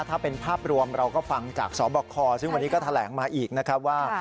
ถ้าเป็นภาพรวมเราก็ฟังจากสบคซึ่งวันนี้ก็แถลงมาอีกนะครับว่า